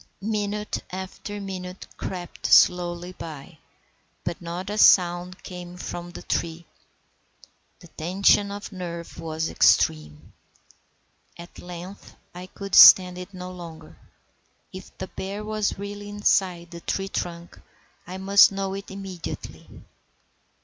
Minute after minute crept slowly by, but not a sound came from the tree. The tension of nerve was extreme. At length I could stand it no longer. If the bear was really inside the tree trunk, I must know it immediately.